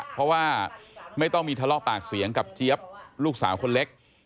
เพราะว่าไม่ต้องมีทะเลาะปากเสียงกับเจี๊ยบลูกสาวคนเล็ก